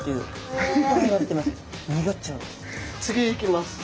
次いきます。